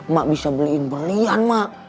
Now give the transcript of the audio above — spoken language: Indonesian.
emak bisa beliin berlian emak